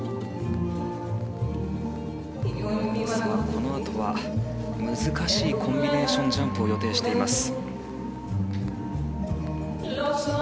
このあとは難しいコンビネーションジャンプを予定しています。